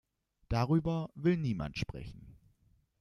Darüber will niemand sprechen.